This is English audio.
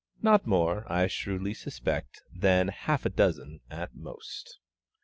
Not more, I shrewdly suspect, than half a dozen at most!